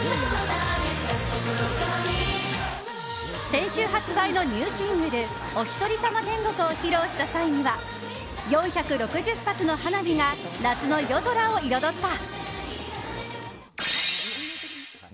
先週発売のニューシングル「おひとりさま天国」を披露した際には４６０発の花火が夏の夜空を彩った。